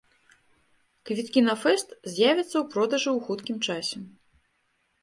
Квіткі на фэст з'явяцца ў продажы ў хуткім часе.